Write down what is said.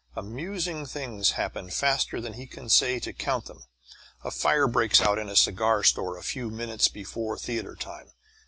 Amusing things happen faster than he can stay to count them. A fire breaks out in a cigar store a few minutes before theatre time.